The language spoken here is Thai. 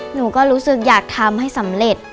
หนูก็รู้สึกอยากทำให้สำเร็จ